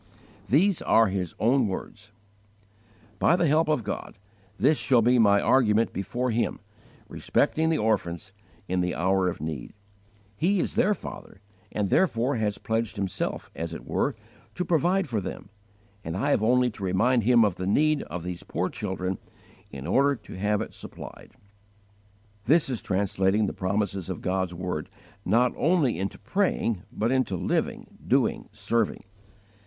These are his own words: "By the help of God, this shall be my argument before Him, respecting the orphans, in the hour of need. He is their Father, and therefore has pledged Himself, as it were, to provide for them; and I have only to remind Him of the need of these poor children in order to have it supplied." This is translating the promises of God's word, not only into praying, but into living, doing, serving.